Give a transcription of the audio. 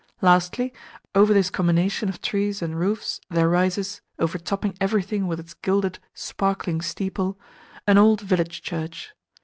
Lastly, over this combination of trees and roofs there rises overtopping everything with its gilded, sparkling steeple an old village church.